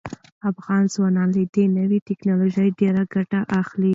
افغان ځوانان له دې نوې ټیکنالوژۍ ډیره ګټه اخلي.